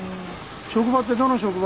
職場ってどの職場？